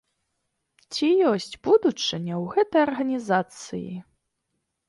Ці ёсць будучыня ў гэтай арганізацыі?